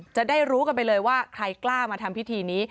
จะได้รู้กันไปเลยว่าใครกล้ามาทำพิธีนี้